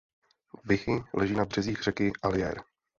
Vichy leží na březích řeky Allier.